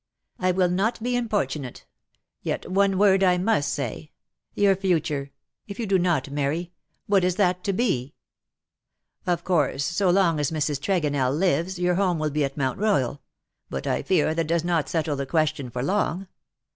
" I will not be importunate. Yet one word I must say. Your future — if you do not marry — what is that to be? Of course, so long as Mrs. Tregonell lives, your home will be at Mount Royal — but I fear that does not settle the question for long.